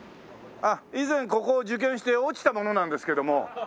以前ここを受験して落ちた者なんですけども。